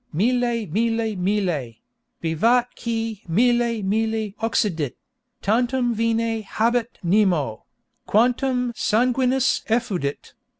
Mille, mille, mille, Vivat qui mille mille occidit! Tantum vini habet nemo Quantum sanguinis effudit!